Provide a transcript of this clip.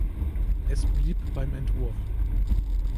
Es blieb beim Entwurf.